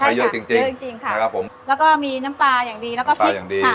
ใช้เยอะจริงจริงใช่ครับผมแล้วก็มีน้ำปลาอย่างดีแล้วก็ปลาอย่างดี